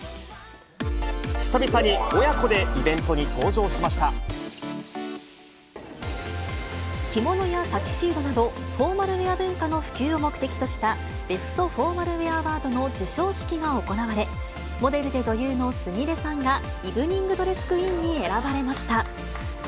久々に親子でイベントに登場着物やタキシードなど、フォーマルウエア文化の普及を目的としたベストフォーマルウェアアワードの授賞式が行われ、モデルで女優のすみれさんが、イブニングドレスクイーンに選ば